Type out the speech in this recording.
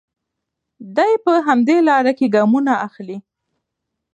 دی په همدې لاره کې ګامونه اخلي.